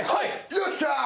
よっしゃ！